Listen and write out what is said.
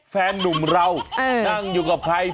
แฟนนุ่มเรานั่งอยู่กับใคร